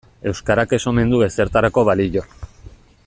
Euskarak ez omen du ezertarako balio.